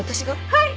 はい。